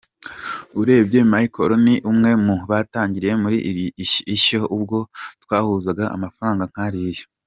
Urebye Michael ni umwe mu batangiriye muri Ishyo ubwo twishyuzaga amafaranga nkariya.